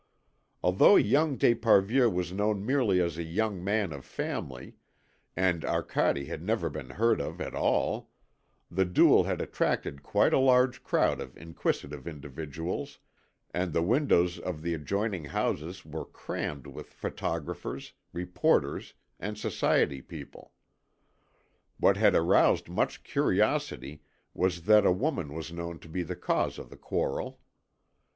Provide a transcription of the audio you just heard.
Although young d'Esparvieu was known merely as a young man of family, and Arcade had never been heard of at all, the duel had attracted quite a large crowd of inquisitive individuals, and the windows of the adjoining houses were crammed with photographers, reporters, and Society people. What had aroused much curiosity was that a woman was known to be the cause of the quarrel.